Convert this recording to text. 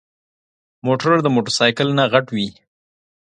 موټر د موټرسايکل نه غټ وي.